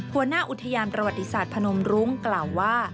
หัวหน้าอุทยานประวัติศาสตร์พนมรุ้งกล่าวว่า